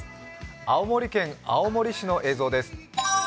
青森県青森市の映像です。